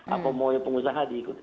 apa maunya pengusaha diikuti